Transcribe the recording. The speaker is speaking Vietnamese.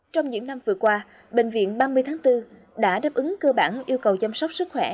trong những năm vừa qua bệnh viện ba mươi tháng bốn đã đáp ứng cơ bản yêu cầu chăm sóc sức khỏe